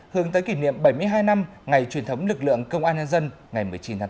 hướng tới kỷ niệm bảy mươi hai năm ngày truyền thống lực lượng công an nhân dân ngày một mươi chín tháng bốn